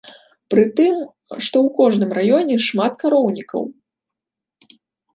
Пры тым, што ў кожным раёне шмат кароўнікаў.